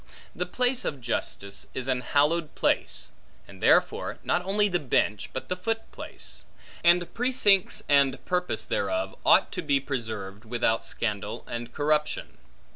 The place of justice is an hallowed place; and therefore not only the bench, but the foot place; and precincts and purprise thereof, ought to be preserved without scandal and corruption.